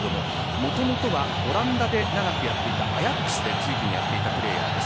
もともとはオランダで長くやっていたアヤックスでやっていたプレーヤーです。